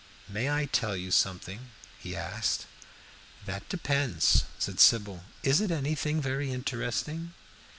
"May I tell you something?" he asked. "That depends," said Sybil. "Is it anything very interesting?"